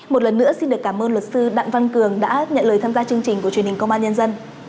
một lần nữa xin được cảm ơn luật sư đặng văn cường đã nhận lời tham gia chương trình của truyền hình công an nhân dân